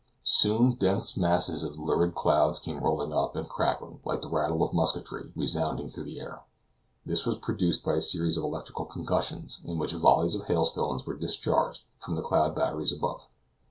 Soon dense masses of lurid clouds came rolling up, and a crackling, like the rattle of musketry, resounded through the air. This was produced by a series of electrical concussions, in which volleys of hailstones were discharged from the cloud batteries above.